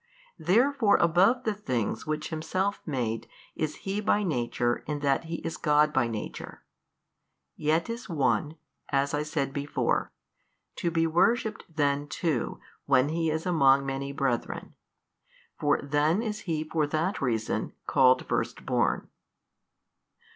Therefore above the things which Himself made is He by Nature in that He is God by Nature. Yet is One (as I said before) to be worshipped then too when He is among many brethren: for then is He for that reason called First born.